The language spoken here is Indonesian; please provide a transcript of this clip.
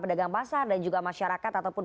pedagang pasar dan juga masyarakat ataupun